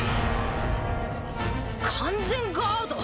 完全ガード